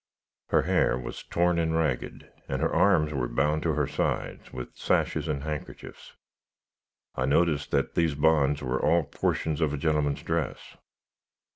Her hair was torn and ragged, and her arms were bound to her sides with sashes and handkerchiefs. I noticed that these bonds were all portions of a gentleman's dress.